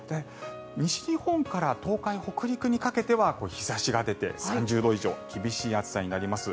西日本から東海、北陸にかけては日差しが出て３０度以上厳しい暑さになります。